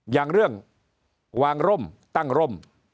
อย่างเรื่องวางร่มตั้งร่ม